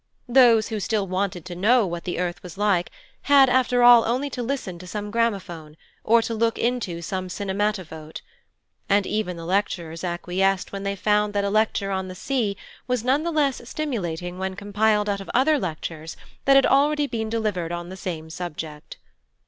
Those who still wanted to know what the earth was like had after all only to listen to some gramophone, or to look into some cinematophote. And even the lecturers acquiesced when they found that a lecture on the sea was none the less stimulating when compiled out of other lectures that had already been delivered on the same subject.